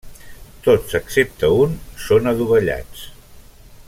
Tots excepte un són adovellats.